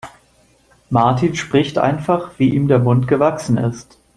Martin spricht einfach, wie ihm der Mund gewachsen ist.